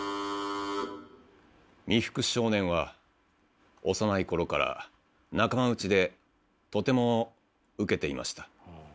三福少年は幼い頃から仲間内でとてもウケていました。